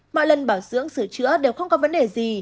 mọi lần bảo dưỡng sửa chữa đều không có vấn đề gì